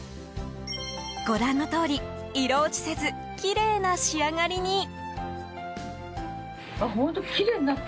ご覧のとおり、色落ちせずきれいな仕上がりに。